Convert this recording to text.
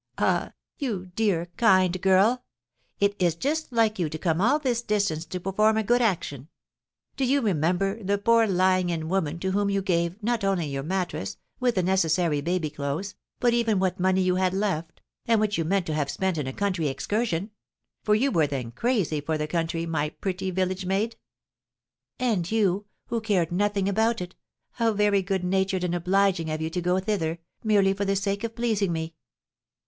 Ah, you dear, kind girl! It is just like you to come all this distance to perform a good action. Do you remember the poor lying in woman to whom you gave, not only your mattress, with the necessary baby clothes, but even what money you had left, and which we meant to have spent in a country excursion; for you were then crazy for the country, my pretty village maid?" "And you, who cared nothing about it, how very good natured and obliging of you to go thither, merely for the sake of pleasing me!"